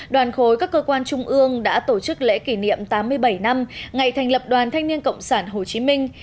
đoàn khối các cơ quan trung ương đã tổ chức lễ kỷ niệm tám mươi bảy năm ngày thành lập đoàn thanh niên cộng sản hồ chí minh